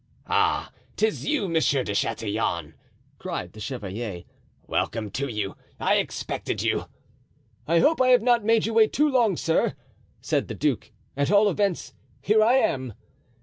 "Ah! 'tis you, Monsieur de Chatillon," cried the chevalier; "welcome to you—I expected you." "I hope I have not made you wait too long, sir," said the duke; "at all events, here I am."